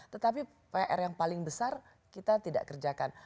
tetapi pr yang paling besar kita tidak kerjakan